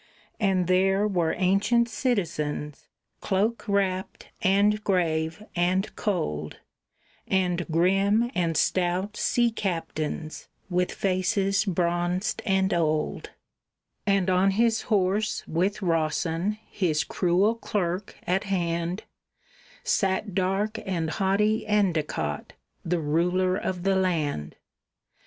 And there were ancient citizens, cloak wrapped and grave and cold, And grim and stout sea captains with faces bronzed and old, And on his horse, with Rawson, his cruel clerk at hand, Sat dark and haughty Endicott, the ruler of the land.